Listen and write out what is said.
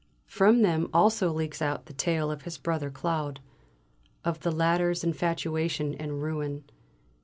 From them also leaks out the tale of his brother Claude, of the latter's infatuation and ruin.